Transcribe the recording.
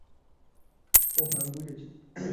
ওহ, আমি বুঝেছি।